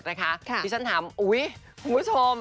ที่ฉันถามอุ๊ยคุณผู้ชม